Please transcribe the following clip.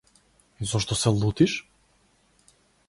Зошто се лутиш?